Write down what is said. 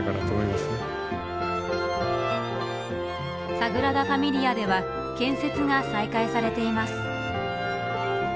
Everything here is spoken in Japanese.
サグラダ・ファミリアでは建設が再開されています。